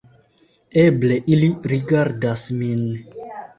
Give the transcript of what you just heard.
Eble ili rigardas min.